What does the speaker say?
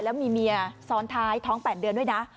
แล้วมีเมียซ้อนท้ายท้อง๘เดือนด้วยนะ